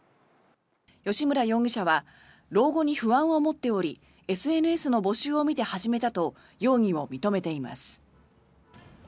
吉村容疑者は老後に不安を持っておりＳＮＳの募集を見て始めたと容疑を認めています。